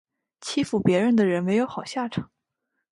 欺负别人的人没有好下场